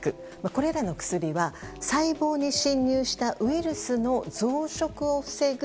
これらの薬は細胞に侵入したウイルスの増殖を防ぐ